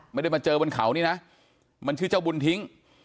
ไม่ได้มาเจอบนเขานี่นะมันชื่อเจ้าบุญทิ้ง